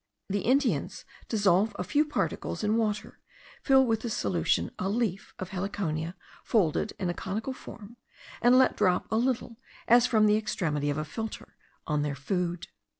The Indians dissolve a few particles in water, fill with this solution a leaf of heliconia folded in a conical form, and let drop a little, as from the extremity of a filter, on their food.